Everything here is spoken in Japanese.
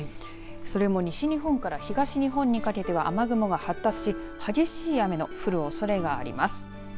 それも西日本から東日本にかけては、雨雲が発達し激しい雨の降るおそれがあります。